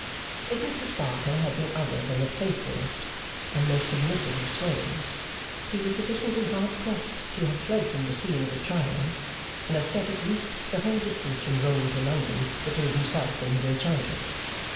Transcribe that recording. If Mr Sparkler had been other than the faithfullest and most submissive of swains, he was sufficiently hard pressed to have fled from the scene of his trials, and have set at least the whole distance from Rome to London between himself and his enchantress.